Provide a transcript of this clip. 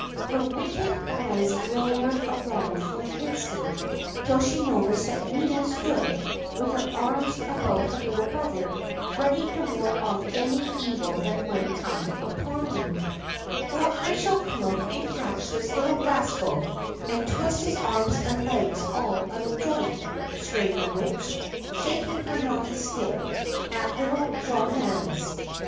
Her wicked eyes glared around for an instant, till she noticed that Nina stood, witli her arms about her little brother, ready to ward off any evil that might come upon him. AN OLD FASHIONED WITCH STORY. 303 Or I shall come and catch this little rascal and twist his arms and legs all out of joint ! screamed the Witchj shaking her knotty stick at little Jo hannes.